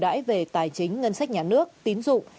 đãi về tài chính ngân sách nhà nước tín dụng